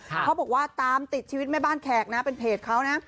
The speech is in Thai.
เขาบอกว่าตามติดชีวิตแม่บ้านแขกนะเป็นเพจเขานะ